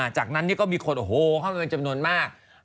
จากนั้นก็มีคนเข้ามีจำนวนมาก